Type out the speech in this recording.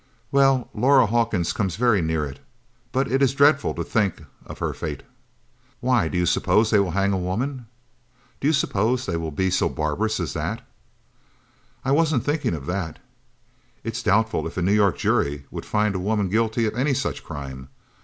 "Well, Laura Hawkins comes very near it. But it is dreadful to think of her fate." "Why, do you suppose they will hang a woman? Do you suppose they will be so barbarous as that?" "I wasn't thinking of that it's doubtful if a New York jury would find a woman guilty of any such crime.